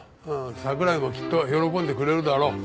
桜井もきっと喜んでくれるだろう。